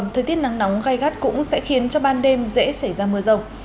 thời tiết nắng nóng gai gắt cũng sẽ khiến cho ban đêm dễ xảy ra mưa rông